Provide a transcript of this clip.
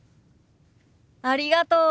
ありがとう！